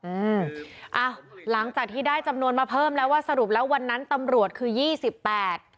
อืมอ่ะหลังจากที่ได้จำนวนมาเพิ่มแล้วว่าสรุปแล้ววันนั้นตำรวจคือยี่สิบแปด